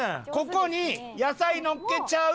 ここに野菜のっけちゃう。